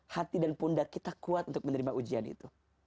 hati dan pundak kita kuat untuk menerima ujian itu